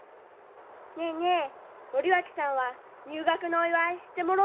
ねえねえ森脇さんは入学のお祝いしてもろうた？